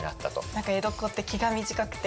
何か江戸っ子って気が短くて。